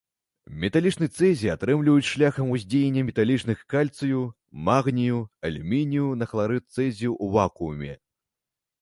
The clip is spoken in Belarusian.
Металічны цэзій атрымліваюць шляхам уздзеяння металічных кальцыю, магнію, алюмінію на хларыд цэзію ў вакууме.